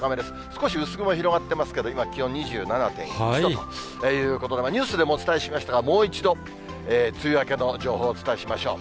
少し薄雲が広がってますけど、今、気温２７．１度ということで、ニュースでもお伝えしましたが、もう一度、梅雨明けの情報をお伝えしましょう。